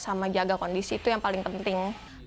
sama jaga kondisi itu yang paling penting